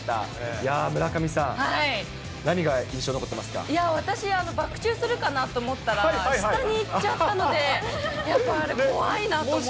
いやー、村上さん、いや、私、バク宙するかなと思ったら、下に行っちゃったので、やっぱあれ、怖いなと思いますね。